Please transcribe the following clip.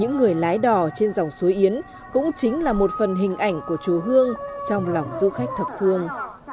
những người lái đò trên dòng suối yến cũng chính là một phần hình ảnh của chùa hương trong lòng du khách thập phương